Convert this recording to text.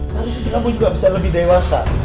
seharusnya kita juga bisa lebih dewasa